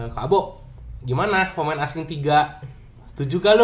kak bo gimana pemain asing tiga setuju gak lo